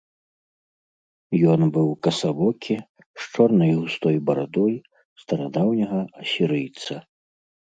Ён быў касавокі, з чорнай густой барадой старадаўняга асірыйца.